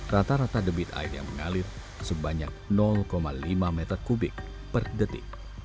rata rata debit air yang mengalir sebanyak lima meter kubik per detik